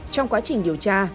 trong quá trình điều tra